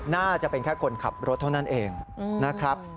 น่าจะเป็นแค่คนขับรถเท่านั้นเองนะครับ